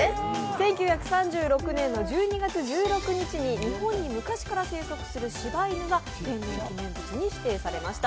１９３６年の１２月１６日に日本に牟田氏から生息するしば犬が天然記念物に指定されました。